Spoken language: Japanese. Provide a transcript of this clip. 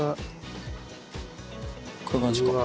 こういう感じか。